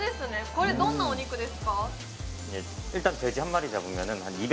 これどんなお肉ですか？